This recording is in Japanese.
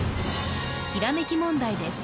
ひらめき問題です